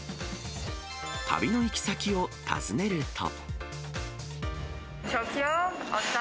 旅の行き先を尋ねると。